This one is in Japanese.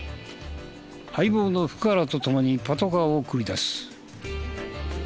相棒の福原と共にパトカーを繰り出す。